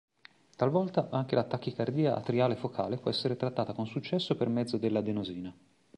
Talvolta anche la tachicardia atriale focale può essere trattata con successo per mezzo dell'adenosina.